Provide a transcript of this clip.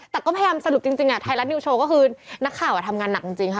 แต่ก็พยายามสรุปจริงไทยรัฐนิวโชว์ก็คือนักข่าวทำงานหนักจริงค่ะ